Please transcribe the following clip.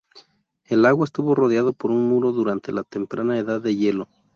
El lago estuvo rodeado por un muro durante la temprana Edad de Hielo.